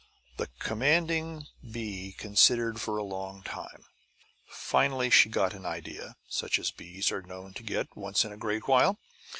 The commanding bee considered for a long time. Finally she got an idea, such as bees are known to get once in a great while.